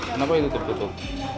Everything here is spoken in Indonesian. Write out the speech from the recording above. kenapa itu tertutup